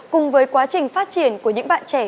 cùng với quá trình phát triển của những bạn trẻ